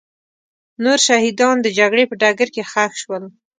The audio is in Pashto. نور شهیدان د جګړې په ډګر کې ښخ شول.